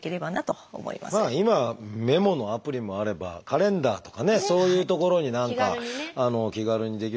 今メモのアプリもあればカレンダーとかねそういうところに何か気軽にできる。